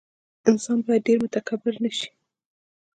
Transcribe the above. انسان باید ډېر متکبر نه شي.